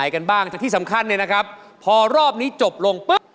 คิดแล้วแบบสีแบบ